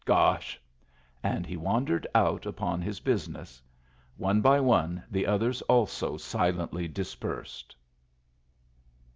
Gosh!" And he wandered out upon his business. One by one the others also silently dispersed.